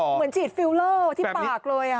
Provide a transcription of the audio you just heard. เหมือนฉีดฟิลเลอร์ที่ปากเลย